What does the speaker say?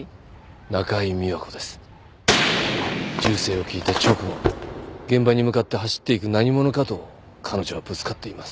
中井美和子です・銃声を聞いた直後現場に向かって走っていく何者かと彼女はぶつかっています